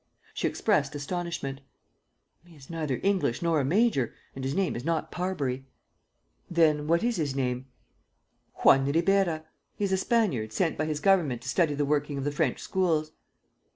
She expressed astonishment: "He is neither English nor a major; and his name is not Parbury." "Then what is his name?" "Juan Ribeira. He is a Spaniard sent by his government to study the working of the French schools."